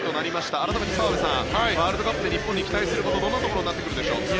改めて澤部さん、ワールドカップ日本に期待するところどんなところになってくるでしょうか。